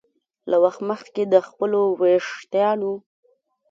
له وخت مخکې د خپلو ویښتانو